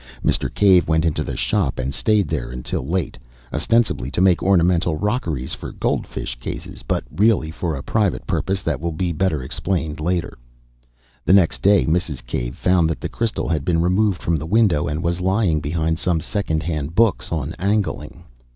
Mr. Cave went into the shop, and stayed there until late, ostensibly to make ornamental rockeries for goldfish cases but really for a private purpose that will be better explained later. The next day Mrs. Cave found that the crystal had been removed from the window, and was lying behind some second hand books on angling.